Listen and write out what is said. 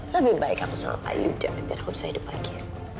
lebih baik aku sama pak yuda biar aku bisa hidup lagi ya